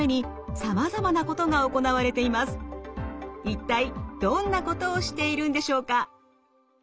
一体どんなことをしているんでしょうか。